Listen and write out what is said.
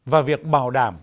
và việc bảo đảm